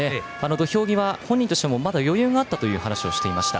土俵際は本人としてもまだ余裕があったという話をしていました。